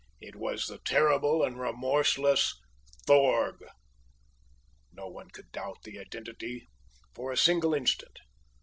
It was the terrible and remorseless Thorg! No one could doubt the identity for a single instant.